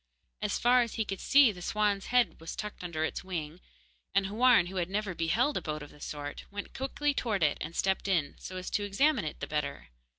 As far as he could see, the swan's head was tucked under its wing, and Houarn, who had never beheld a boat of the sort, went quickly towards it and stepped in, so as to examine it the better.